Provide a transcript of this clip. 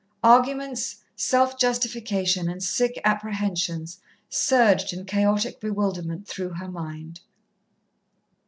Arguments, self justification and sick apprehensions, surged in chaotic bewilderment through her mind.